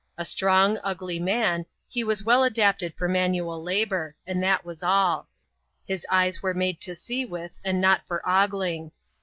A strong, ugly man, he was weU adapted for manual labour ; and that was alL His eyes were made to see with, and not for ogling.